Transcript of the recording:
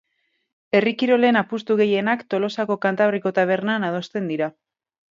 Herri kirolen apustu gehienak Tolosako Kantabriko tabernan adosten dira.